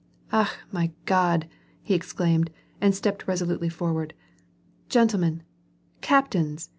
"Akh! my God," he exclaimed and stepped resolutely forward. "Gentlemen I Captains